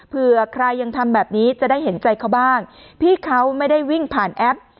เผื่อใครยังทำแบบนี้จะได้เห็นใจเขาบ้างพี่เขาไม่ได้วิ่งผ่านแอป